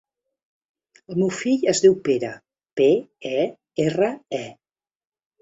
El meu fill es diu Pere: pe, e, erra, e.